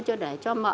cho để cho mợ